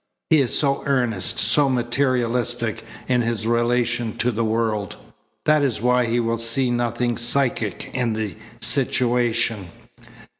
He is so earnest, so materialistic in his relation to the world. That is why he will see nothing psychic in the situation."